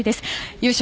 優勝